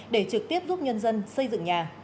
để trực tiếp giúp nhân dân xây dựng nhà